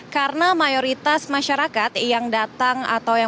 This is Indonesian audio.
karena mayoritas masyarakat yang datang atau yang